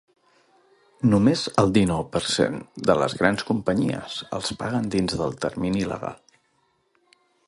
Només el dinou per cent de les grans companyies els paguen dins el termini legal.